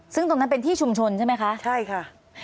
ซึ่งตรงนั้นเป็นที่ชุมชนใช่ไหมคะใช่ค่ะ